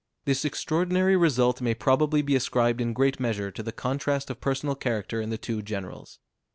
This extraordinary result may probably be ascribed in great measure to the contrast of personal character in the two generals.